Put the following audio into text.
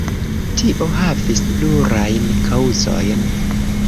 Tio havis plurajn kaŭzojn.